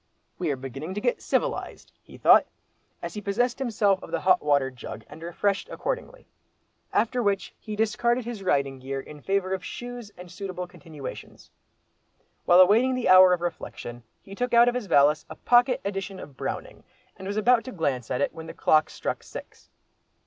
"We are beginning to get civilised," he thought, as he possessed himself of the hot water jug, and refreshed accordingly. After which he discarded his riding gear in favour of shoes and suitable continuations. While awaiting the hour of reflection, he took out of his valise a pocket edition of Browning, and was about to glance at it when the clock struck six.